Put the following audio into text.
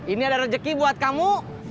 ini ada rezeki buat kamu